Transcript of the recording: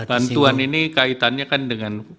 bantuan ini kaitannya kan dengan